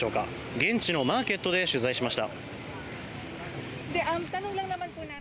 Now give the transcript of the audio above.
現地のマーケットで取材しました。